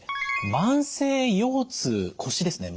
慢性腰痛腰ですね